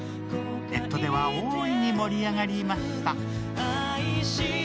ネットでは大いに盛り上がりました。